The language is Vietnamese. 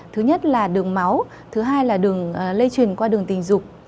thứ nhất là đường máu thứ hai là đường lây truyền qua đường tình dục